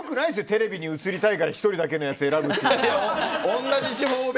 テレビに映りたいから１人だけのやつを選ぶのは。